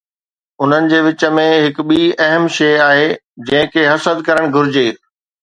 انهن جي وچ ۾ هڪ ٻي اهم شيء آهي جنهن کي حسد ڪرڻ گهرجي.